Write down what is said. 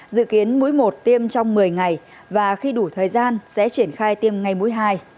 dự kiến mỗi một tiêm trong một mươi ngày và khi đủ thời gian sẽ triển khai tiêm ngay mũi hai